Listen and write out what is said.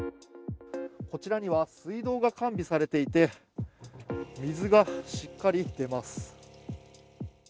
こちらには水道が完備されていて、水がしっかり出ます。